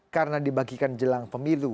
karena dibagikan jelang pemilu